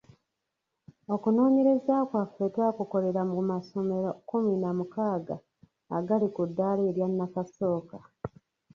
Okunonyereza kwaffe twakukolera mu masomero kkumi na mukaaga agali ku ddaala erya nnakasooka.